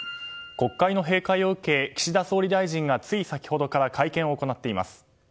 国会の閉会を受け岸田総理大臣がつい先ほどから会見を行っています。